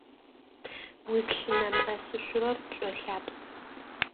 Узлъынэмыӏэсышъурэр пшӏолъапӏ.